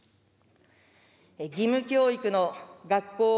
義務教育の学校